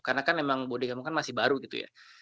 karena emang body kamu kan masih baru gitu ya